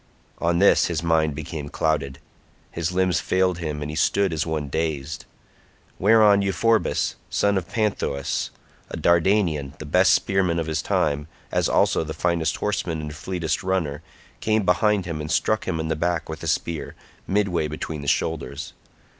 On this his mind became clouded; his limbs failed him, and he stood as one dazed; whereon Euphorbus son of Panthous a Dardanian, the best spearman of his time, as also the finest horseman and fleetest runner, came behind him and struck him in the back with a spear, midway between the shoulders.